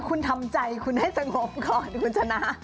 คุณทำใจคุณให้สงบก่อนคุณชนะ